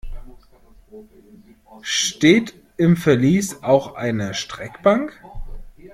Steht im Verlies auch eine Streckbank?